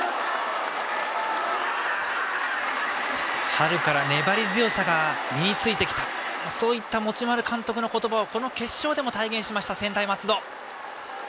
春から粘り強さが身についてきたそういった持丸監督の言葉をこの決勝でも体現しました専大松戸。